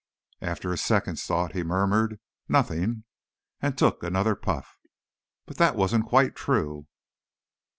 After a second's thought, he murmured: "Nothing," and took another puff. But that wasn't quite true.